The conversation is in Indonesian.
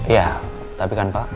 ya tapi kan pak